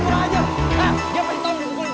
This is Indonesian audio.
dia paling tahu diunggolnya